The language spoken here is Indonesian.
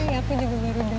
gimana ya aku juga baru daer